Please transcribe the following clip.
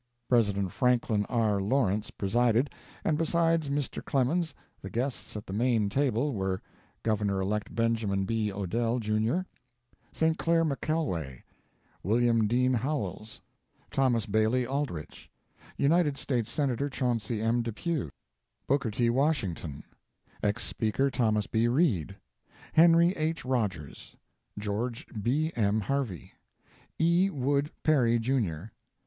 President Frank R. Lawrence presided, and besides Mr. Clemens the guests at the main table were: Gov. elect Benjamin B. Odell, Jr., St. Clair McKelway, Thomas Bailey Aldrich, United States Senator Chauncey M. Depew, Booker T. Washington, Ex Speaker Thomas B. Reed, Henry H. Rogers, George Harvey, E. Wood Perry, Jr.